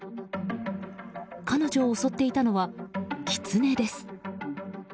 彼女を襲っていたのはキツネです。